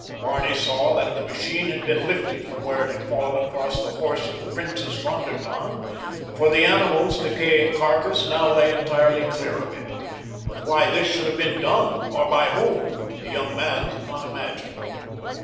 Barney saw that the machine had been lifted from where it had fallen across the horse of the Princess von der Tann, for the animal's decaying carcass now lay entirely clear of it; but why this should have been done, or by whom, the young man could not imagine.